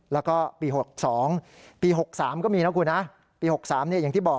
แล้วก็ปีหกสองปีหกสามก็มีนะคุณนะปีหกสามเนี่ยอย่างที่บอก